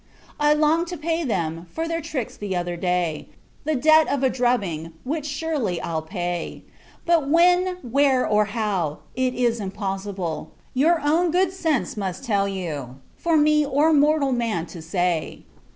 I long to pay them, for their tricks t'other day, the debt of a drubbing, which, surely, I'll pay: but when, where, or how, it is impossible, your own good sense must tell you, for me or mortal man to say.